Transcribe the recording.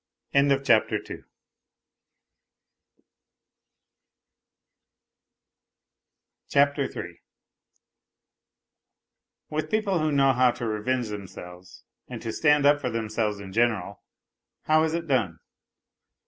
56 NOTES FROM UNDERGROUND m With people who know how to revenge themselves and to stand up for themselves in general, how is it done